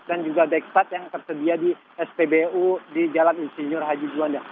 dan juga dexpat yang tersedia di spbu di jalan insinyur haji juanda